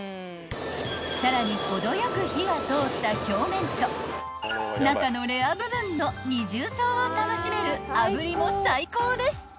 ［さらに程よく火が通った表面と中のレア部分の二重層を楽しめる炙りも最高です］